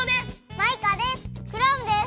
マイカです！